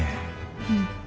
うん。